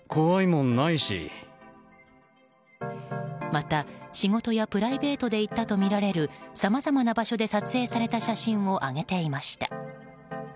また、仕事やプライベートで行ったとみられるさまざまな場所で撮影された写真を上げていました。